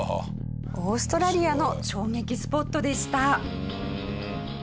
オーストラリアの衝撃スポットでした。